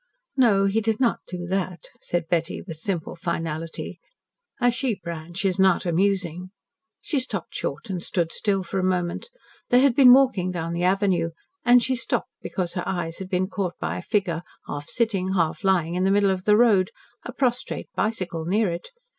"No, he did not do that," said Betty, with simple finality. "A sheep ranch is not amusing " She stopped short and stood still for a moment. They had been walking down the avenue, and she stopped because her eyes had been caught by a figure half sitting, half lying in the middle of the road, a prostrate bicycle near it.